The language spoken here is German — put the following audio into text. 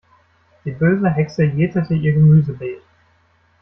Die böse Hexe jätete ihr Gemüsebeet.